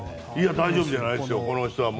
大丈夫じゃないですよ。